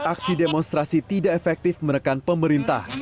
aksi demonstrasi tidak efektif menekan pemerintah